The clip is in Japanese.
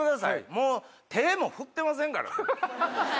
もう、手も振ってませんからね。